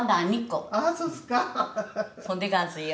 そうでがんすよ。